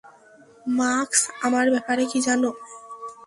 Max, আমার ব্যাপারে কী জানো?